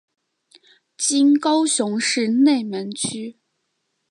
今高雄市内门区。